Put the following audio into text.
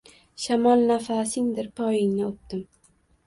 Shamol – nafasingdir, poyingni o‘pdim.